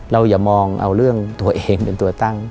อย่ามองเอาเรื่องตัวเองเป็นตัวตั้ง